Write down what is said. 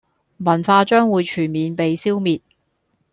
文化將會全面被消滅